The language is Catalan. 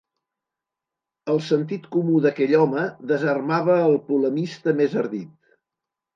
El sentit comú d'aquell home desarmava el polemista més ardit.